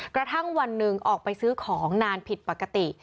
กระทั่งวันหนึ่งออกไปซื้อของนานผิดปกติ